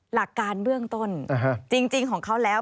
หลักการเบื้องต้นจริงของเขาแล้ว